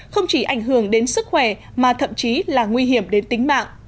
không chỉ ảnh hưởng đến sức khỏe mà thậm chí là nguy hiểm đến tính mạng